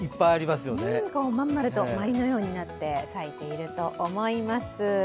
まん丸とまりのようになっている咲いていると思います。